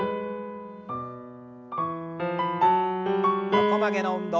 横曲げの運動。